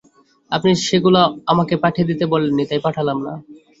আপনি সেগুলো আমাকে পাঠিয়ে দিতে বলেননি, তাই পাঠালাম না।